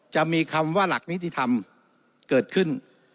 จะมีคำว่าหลักนิติธรรมเกิดขึ้น